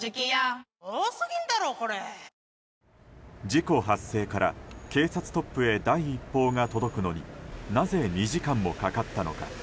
事故発生から警察トップへ第一報が届くのになぜ２時間もかかったのか？